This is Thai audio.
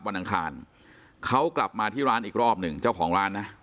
อังคารเขากลับมาที่ร้านอีกรอบหนึ่งเจ้าของร้านนะ